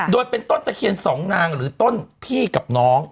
โดยเป็นต้นตะเคียนสองนางหรือต้นพี่กับน้อง